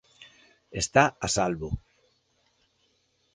Está a salvo.